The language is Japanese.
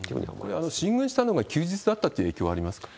これは進軍したのが休日だったって影響はありますか？